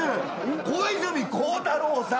小泉孝太郎さん。